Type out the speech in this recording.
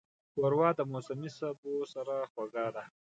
ښوروا د موسمي سبو سره خوږه ده.